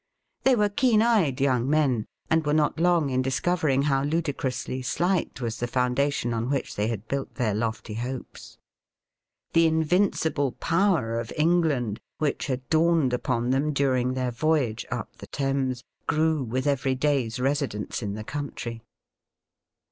They were keen eyed young men, and were not long in discovering how ludicrously slight was the foundation on which they had built their lofty hopes. The invincible power of England, which had dawned upon them during their voyage up the Thames, grew with every day's residence in the country.